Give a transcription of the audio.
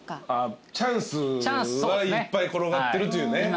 チャンスはいっぱい転がってるというね。